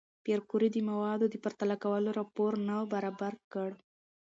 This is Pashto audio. پېیر کوري د موادو د پرتله کولو راپور نه برابر کړ؟